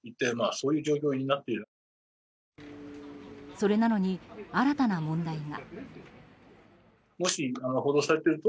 それなのに新たな問題が。